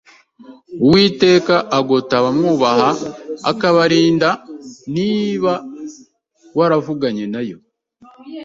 Uwiteka agota abamwubaha akabarinda, niba waravuganye nayo,